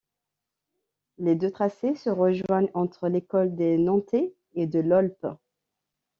Les deux tracés se rejoignent entre les cols des Nantets et de l'Aulp.